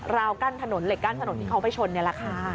กั้นถนนเหล็กกั้นถนนที่เขาไปชนนี่แหละค่ะ